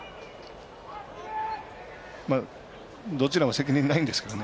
どちらも責任ないんですけどね。